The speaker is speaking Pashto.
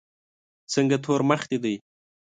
څنګه تور مخ دي دی.